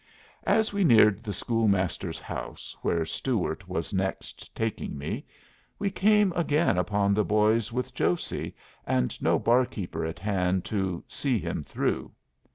As we neared the school master's house, where Stuart was next taking me, we came again upon the boys with Josey, and no barkeeper at hand to "see him through."